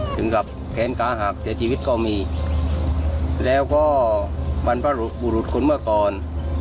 ถึงกับแขนกาหักแต่ชีวิตก็มีแล้วก็มันประหลุดบุรุษคุณเมื่อก่อน